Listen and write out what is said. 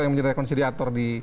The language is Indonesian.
yang menjadi rekonsiliator di